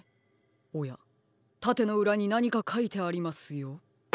おやたてのうらになにかかいてありますよ。